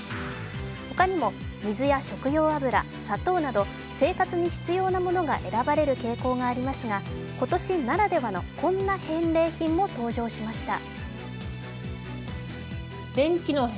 他にも水や食用油、砂糖など生活に必要なものが選ばれる傾向がありますが今年ならではのこんな返礼品も登場しました。